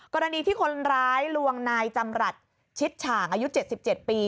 กรณีที่คนร้ายลวงนายจำรัฐชิดฉางอายุ๗๗ปี